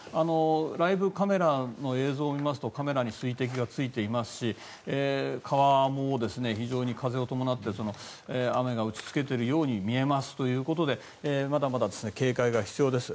ライブカメラの映像を見ますとカメラに水滴がついていますし川も非常に風を伴って雨が打ちつけているように見えますということでまだまだ警戒が必要です。